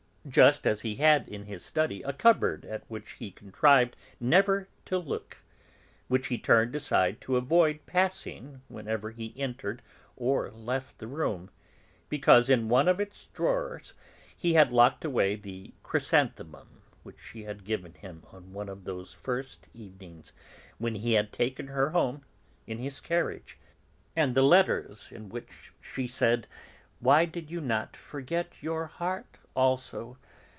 Just as he had in his study a cupboard at which he contrived never to look, which he turned aside to avoid passing whenever he entered or left the room, because in one of its drawers he had locked away the chrysanthemum which she had given him on one of those first evenings when he had taken her home in his carriage, and the letters in which she said: "Why did you not forget your heart also?